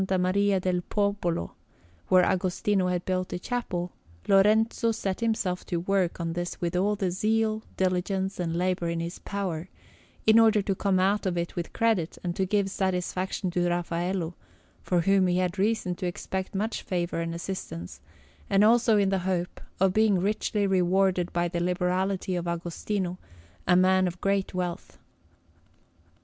Maria del Popolo, where Agostino had built a chapel, Lorenzo set himself to work on this with all the zeal, diligence, and labour in his power, in order to come out of it with credit and to give satisfaction to Raffaello, from whom he had reason to expect much favour and assistance, and also in the hope of being richly rewarded by the liberality of Agostino, a man of great wealth.